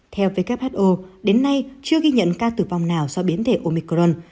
theo who đến nay chưa ghi nhận ca tử vong nào do biến thể omicron